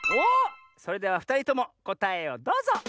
それではふたりともこたえをどうぞ！